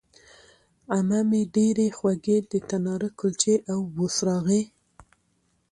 عمه مې ډېرې خوږې د تناره کلچې او بوسراغې